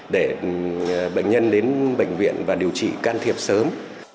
để bệnh nhân đến bệnh viện và điều trị can thiệp sớm